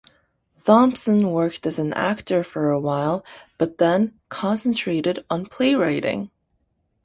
Thompson worked as an actor for a while, but then concentrated on playwrighting.